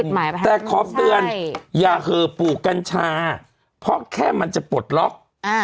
แต่ขอเตือนอย่าเหอะปลูกกัญชาเพราะแค่มันจะปลดล็อก